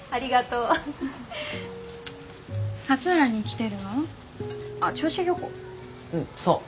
うんそう。